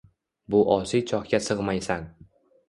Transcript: bu osiy chohga sig’maysan.